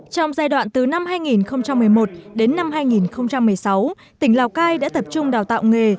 trong giai đoạn từ năm hai nghìn một mươi một đến năm hai nghìn một mươi sáu tỉnh lào cai đã tập trung đào tạo nghề